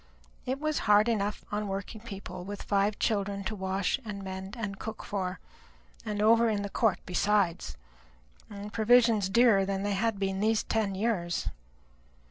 It was hard enough upon working people with five children to wash and mend and cook for, and over in the court besides, and provisions dearer than they had been these ten years.